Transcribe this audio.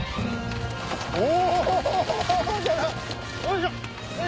お！